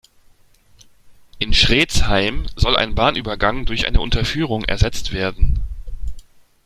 In Schrezheim soll ein Bahnübergang durch eine Unterführung ersetzt werden.